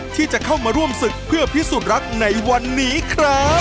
ที่จะเข้ามาร่วมศึกเพื่อพิสูจน์รักในวันนี้ครับ